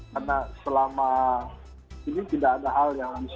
karena selama ini tidak ada hal yang bisa